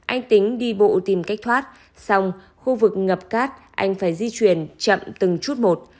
anh tính đi bộ tìm cách thoát xong khu vực ngập cát anh phải di chuyển chậm từng chút một